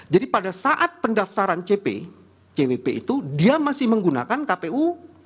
jadi pada saat pendaftaran cp cwp itu dia masih menggunakan kpu